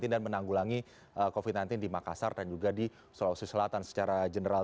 dan menanggulangi covid sembilan belas di makassar dan juga di sulawesi selatan secara general